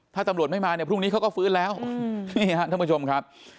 ถ้าตำรวจไม่มาพรุ่งนี้เขาก็ฟื้นแล้วท่านผู้ชมครับ